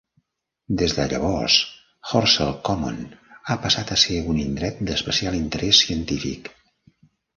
Des de llavors, Horsell Common ha passat a ser un Indret d'Especial Interès Científic.